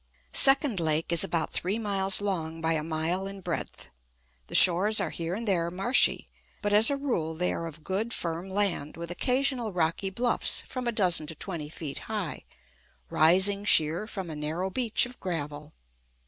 Second Lake is about three miles long by a mile in breadth. The shores are here and there marshy; but as a rule they are of good, firm land with occasional rocky bluffs from a dozen to twenty feet high, rising sheer from a narrow beach of gravel.